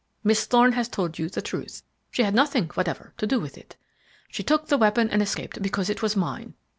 Miss Thorne has told you the truth; she had nothing whatever to do with it. She took the weapon and escaped because it was mine.